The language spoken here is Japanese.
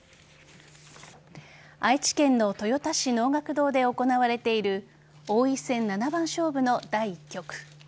愛知県の豊田市能楽堂で行われている王位戦七番勝負の第１局。